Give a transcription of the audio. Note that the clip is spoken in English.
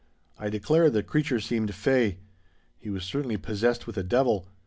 I declare the creature seemed 'fey.' He was certainly possessed with a devil.